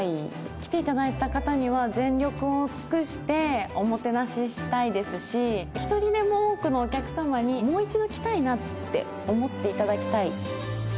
来ていただいた方には全力を尽くしておもてなししたいですし、１人でも多くのお客様にもう一度来たいなって思っていただきたい。